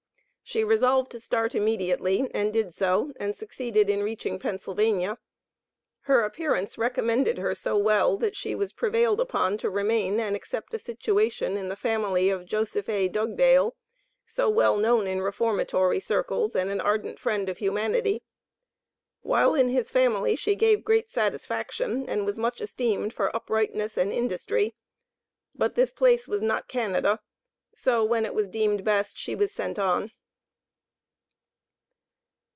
She resolved to start immediately, and did so, and succeeded in reaching Pennsylvania. Her appearance recommended her so well, that she was prevailed upon to remain and accept a situation in the family of Joseph A. Dugdale, so well known in reformatory circles, as an ardent friend of humanity. While in his family she gave great satisfaction, and was much esteemed for uprightness and industry. But this place was not Canada, so, when it was deemed best, she was sent on.